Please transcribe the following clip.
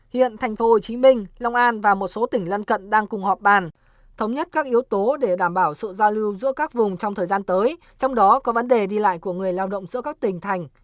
hiện tp hcm long an và một số tỉnh lân cận đang cùng họp bàn thống nhất các yếu tố để đảm bảo sự giao lưu giữa các vùng trong thời gian tới trong đó có vấn đề đi lại của người lao động giữa các tỉnh thành